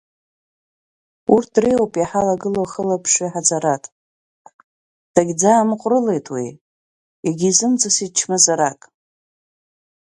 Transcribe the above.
Урҭ дреиуоуп иҳалагылоу ахьыԥшааҩ Ҳазараҭ, дагьӡаамҟәрылеит уи, иагьизымҵыст чмазарак.